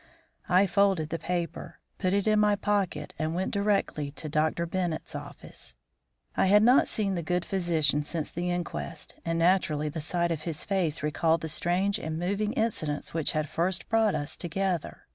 I folded the paper, put it in my pocket, and went directly to Dr. Bennett's office. I had not seen the good physician since the inquest, and naturally the sight of his face recalled the strange and moving incidents which had first brought us together.